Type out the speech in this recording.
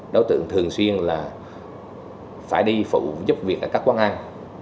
đối tượng thường xuyên là phải đi phụ giúp việc ở các quán ăn